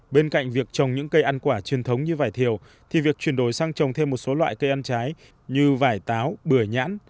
bên cạnh việc trồng những cây ăn quả truyền thống như vải thiều thì việc chuyển đổi sang trồng thêm một số loại cây ăn trái như vải táo bưởi nhãn